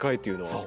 そう。